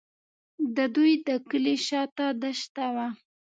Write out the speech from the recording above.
د دوی د کلي شاته دښته وه.